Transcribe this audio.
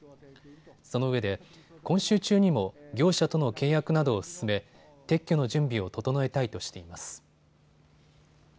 そのうえで今週中にも業者との契約などを進め撤去の準備を整えたいとしています。